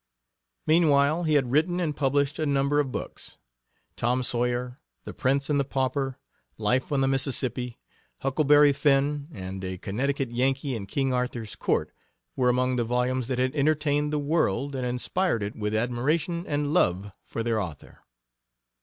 Meanwhile he had written and published a number of books. Tom Sawyer, The Prince and the Pauper, Life on the Mississippi, Huckleberry Finn, and A Connecticut Yankee in King Arthur's Court were among the volumes that had entertained the world and inspired it with admiration and love for their author.